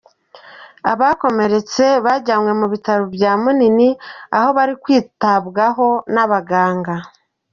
Abakomeretse bajyanywe mu bitaro bya Munini aho bari kwitabwaho n’abaganga.